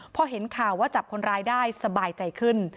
พอเห็นข่าวว่าจับคนร้ายได้สบายใจขึ้น